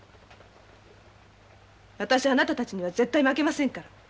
私あなたたちには絶対負けませんから。